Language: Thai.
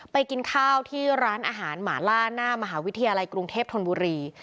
กินข้าวที่ร้านอาหารหมาล่าหน้ามหาวิทยาลัยกรุงเทพธนบุรี